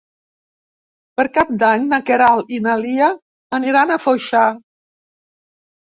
Per Cap d'Any na Queralt i na Lia aniran a Foixà.